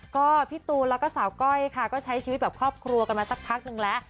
ก็พี่ตูนแล้วก็สาวก้อยค่ะก็ใช้ชีวิตแบบครอบครัวกันมาสักพักนึงแล้ว